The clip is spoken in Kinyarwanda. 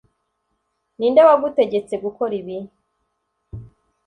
Ninde wagutegetse gukora ibi